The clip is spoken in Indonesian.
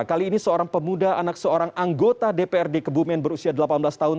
kali ini seorang pemuda anak seorang anggota dprd kebumen berusia delapan belas tahun